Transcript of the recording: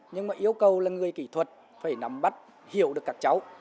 nhưng mà yêu cầu là người kỹ thuật phải nắm bắt hiểu được các cháu